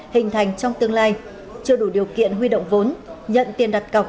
hình thành trong tương lai chưa đủ điều kiện huy động vốn nhận tiền đặt cọc